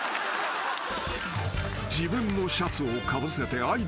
［自分のシャツをかぶせてアイドルを隠す］